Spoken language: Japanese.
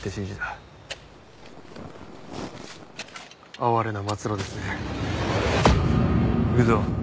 哀れな末路ですね。行くぞ。